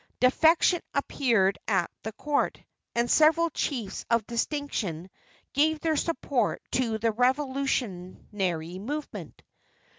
Defection appeared at the court, and several chiefs of distinction gave their support to the revolutionary movement.